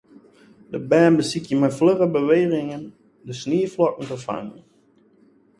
De bern besykje mei flugge bewegingen de snieflokken te fangen.